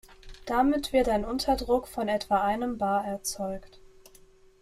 Damit wird ein Unterdruck von etwa einem bar erzeugt.